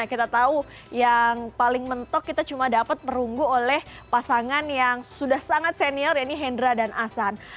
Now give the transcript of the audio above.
kita tahu yang paling mentok kita cuma dapat perunggu oleh pasangan yang sudah sangat senior ya ini hendra dan ahsan